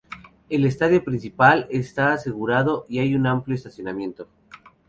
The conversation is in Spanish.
El estadio principal está asegurado y hay un amplio estacionamiento.